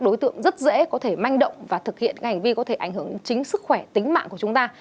đối tượng rất dễ có thể manh động và thực hiện cái hành vi có thể ảnh hưởng đến chính sức khỏe tính mạng của chúng ta